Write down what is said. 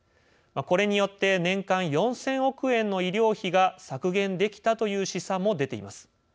これによって年間４，０００億円の医療費が削減できたという試算も出ています。